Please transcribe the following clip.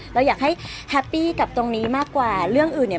เราอยากให้แฮปปี้กับตรงนี้มากกว่าเรื่องอื่นเนี่ย